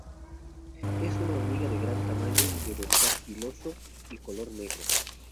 Es una hormiga de gran tamaño, de dorsal piloso y color negro.